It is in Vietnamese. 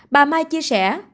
bà mai chia sẻ